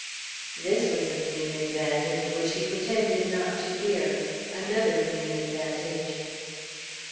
This was a mean advantage, which he pretended not to hear another mean advantage.